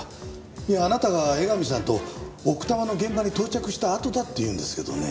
いやあなたが江上さんと奥多摩の現場に到着したあとだっていうんですけどね。